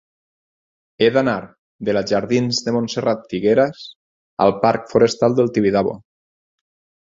He d'anar de la jardins de Montserrat Figueras al parc Forestal del Tibidabo.